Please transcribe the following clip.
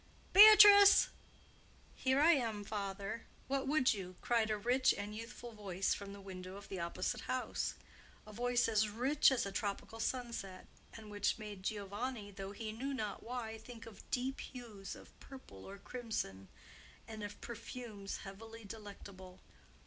Beatrice!" "Here am I, my father. What would you?" cried a rich and youthful voice from the window of the opposite house—a voice as rich as a tropical sunset, and which made Giovanni, though he knew not why, think of deep hues of purple or crimson and of perfumes heavily delectable.